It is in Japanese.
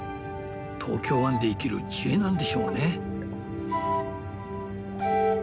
東京湾で生きる知恵なんでしょうね。